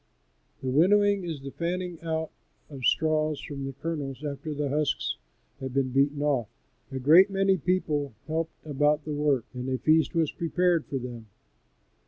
The winnowing is the fanning out of the straws from the kernels after the husks have been beaten off. A great many people helped about the work, and a feast was prepared for them.